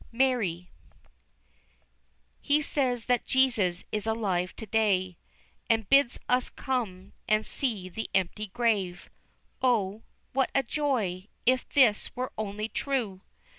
MARY. He says that Jesus is alive to day, And bids us come and see the empty grave, O, what a joy, if this were only true!